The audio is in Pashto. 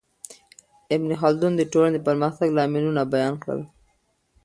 ابن خلدون د ټولنې د پرمختګ لاملونه بیان کړل.